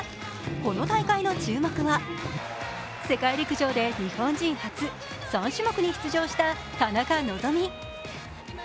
この大会の注目は世界陸上で日本人初、３種目に出場した田中希実。